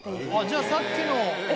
じゃあさっきの。